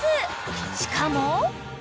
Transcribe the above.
［しかも］